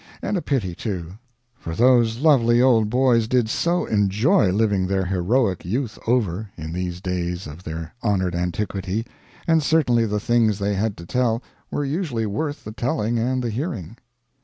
And a pity, too; for those lovely old boys did so enjoy living their heroic youth over, in these days of their honored antiquity; and certainly the things they had to tell were usually worth the telling and the hearing.